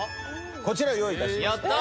こちら用意いたしました。